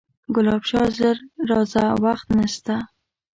ګلاب شاه ژر راځه وخت نسته